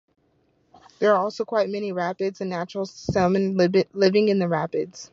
There are also quite many rapids and natural salmon living in the rapids.